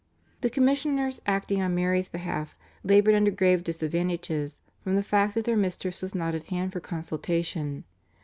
The commissioners acting on Mary's behalf laboured under grave disadvantages from the fact that their mistress was not at hand for consultation.